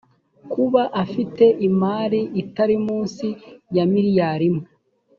kuba afite imari itari munsi ya miriyari imwe